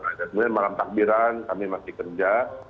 nah kemudian malam takbiran kami masih kerja